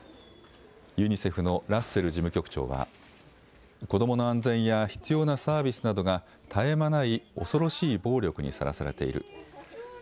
ユニセフのラッセル事務局長は子どもの安全や必要なサービスなどが絶え間ない恐ろしい暴力にさらされている。